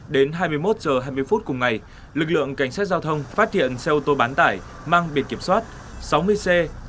đến hai mươi một h hai mươi phút cùng ngày lực lượng cảnh sát giao thông phát hiện xe ô tô bán tải mang biệt kiểm soát sáu mươi c sáu mươi sáu nghìn bảy trăm sáu mươi